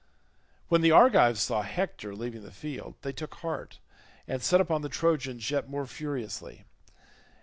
When the Argives saw Hector leaving the field, they took heart and set upon the Trojans yet more furiously.